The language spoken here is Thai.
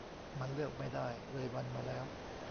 มันเลือกไม่ได้ เลยวันมาแล้ว